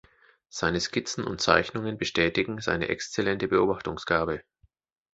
Seine Skizzen und Zeichnungen bestätigen seine exzellente Beobachtungsgabe.